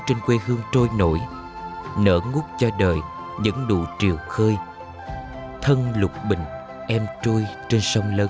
trên quê hương trôi nổi nở ngút cho đời vẫn đủ triều khơi thân lục bình em trôi trên sông lớn